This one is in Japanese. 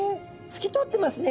透き通ってますね。